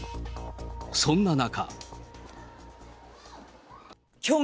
そんな中。